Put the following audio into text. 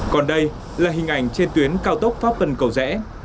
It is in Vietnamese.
còn đây là hình ảnh trên tuyến cao tốc pháp vân cầu rẽ